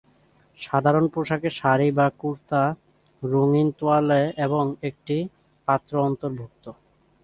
সাধারণ পোশাকে শাড়ি বা কুর্তা, রঙিন তোয়ালে এবং একটি পাত্র অন্তর্ভুক্ত।